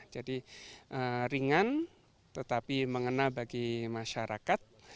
jadi ringan tetapi mengenai bagi masyarakat